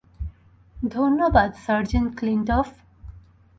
ধন্যবাদ, সার্জেন্ট ক্লিনটফ।